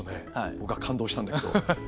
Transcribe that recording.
僕は感動したんだけど。